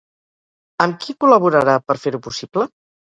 Amb qui col·laborarà per fer-ho possible?